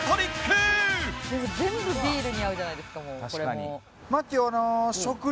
「全部ビールに合うじゃないですかこれも」